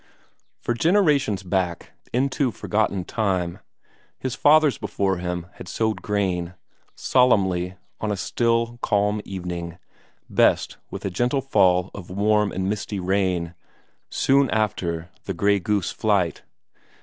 For generations back, into forgotten time, his fathers before him had sowed corn; solemnly, on a still, calm evening, best with a gentle fall of warm and misty rain, soon after the grey goose flight.